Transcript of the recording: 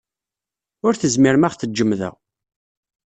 Ur tezmirem ad ɣ-teǧǧem da.